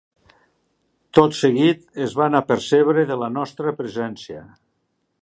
Tot seguit es van apercebre de la nostra presència.